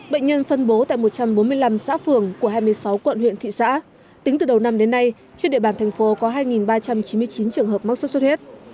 bệnh nhân phân bố tại một trăm bốn mươi năm xã phường của hai mươi sáu quận huyện thị xã tính từ đầu năm đến nay trên địa bàn thành phố có hai ba trăm chín mươi chín trường hợp mắc sốt xuất huyết